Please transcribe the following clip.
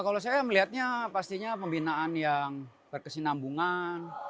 kalau saya melihatnya pastinya pembinaan yang berkesinambungan